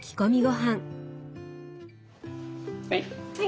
はい。